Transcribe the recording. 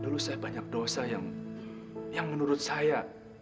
lubsa banyak dosa yang yang menurut saya